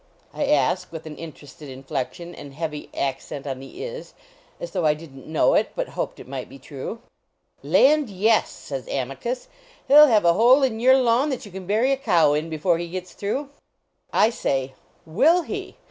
I ask with an interested inflec tion and heavy accent on the "is," as though I didn t know it, but hoped it might be tnu ." Land, yes," says Amicus, " he ll have a 240 iiorsr.iioi.i) r hole in your lawn that you can bury a cow in before he gets through." I say, M Will he?"